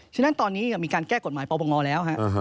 ฉะนั้นตอนนี้มีการแก้กฎหมายปปงแล้วฮะ